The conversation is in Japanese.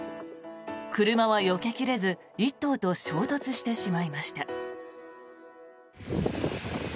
車はよけ切れず１頭と衝突してしまいました。